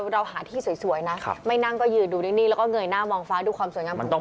เราหาที่สวยนะไม่นั่งก็อยู่ดูด้วยนี่แล้วก็เงยหน้ามองฟ้าดูความสวยงามพลุใช่ไหม